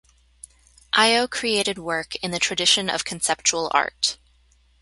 Ayo created work in the tradition of conceptual art.